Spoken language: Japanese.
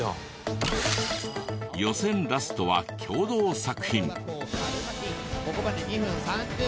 予選ラストは共同作品。